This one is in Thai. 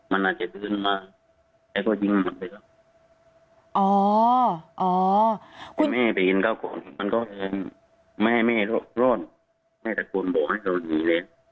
แม่ไม่รอดแม่แกล็กร้ดบองให้าวน่านิดเลย